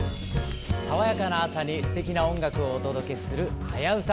爽やかな朝にすてきな音楽をお届けする「はやウタ」